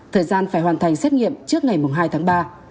thời gian phải hoàn thành xét nghiệm trước ngày hai tháng ba